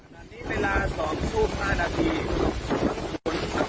ขณะนี้เวลา๒ชั่ว๕นาทีทั้งฝุ่นทั้งวงแรงมากเลยครับ